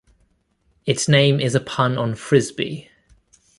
Its name is a pun on frisbee.